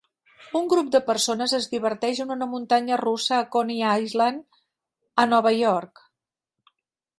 Un grup de persones es diverteix en una muntanya russa a Coney Island, a Nova York.